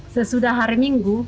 sesudah hari minggu